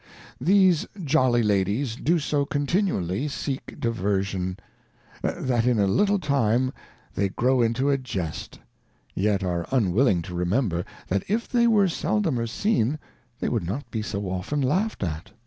These Jolly Ladies do so continually seek Diversion, that in a little time they grow into a Jest, yet are unwilling to remember, that if they were seldomer seen they would not be so often laughed at.